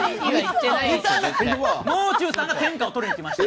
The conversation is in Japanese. もう中さんが天下を取りに来ました。